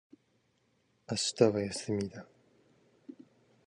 明日は休みだ。